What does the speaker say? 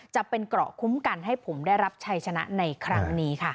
จะเป็นเกราะคุ้มกันให้ผมได้รับชัยชนะในครั้งนี้ค่ะ